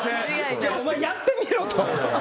じゃあお前やってみろと。